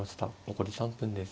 残り３分です。